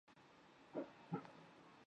演唱会第二日出现了小插曲。